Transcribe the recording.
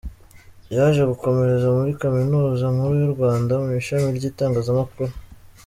Yaje gukomereza muri Kaminuza Nkuru y’u Rwanda mu ishami ry’itangazamakuru.